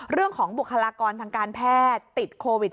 เรื่องของบุคลากรทางการแพทย์ติดโควิด๑๙